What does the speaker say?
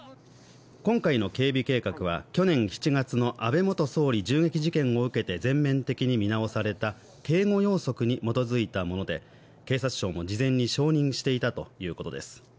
今回の警備計画は去年７月の安倍元総理銃撃事件を受けて全面的に見直された警護要則に基づいたもので警察庁も事前に承認していたということです。